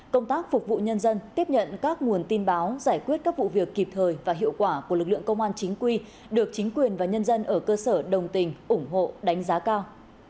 công tác phục vụ nhân dân tiếp nhận các nguồn tin báo giải quyết các vụ việc kịp thời và hiệu quả của lực lượng công an chính quy được chính quyền và nhân dân ở cơ sở đồng tình ủng hộ đánh giá cao